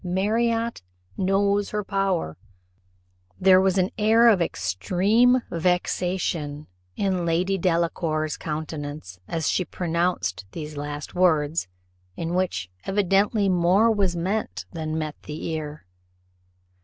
Marriott knows her power." There was an air of extreme vexation in Lady Delacour's countenance as she pronounced these last words, in which evidently more was meant than met the ear.